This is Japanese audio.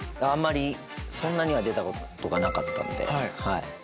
あんまりそんなには出たことがなかったんではい。